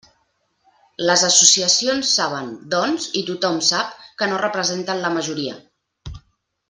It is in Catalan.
Les associacions saben, doncs, i tothom sap que no representen la majoria.